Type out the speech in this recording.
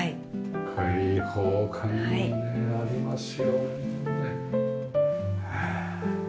開放感がねありますよね。